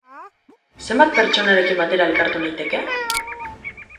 Zenbat pertsonarekin batera elkartu naiteke?